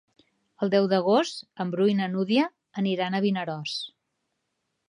El deu d'agost en Bru i na Dúnia aniran a Vinaròs.